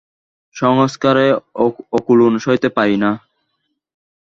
সংসারে অকুলোন সইতে পারি নে।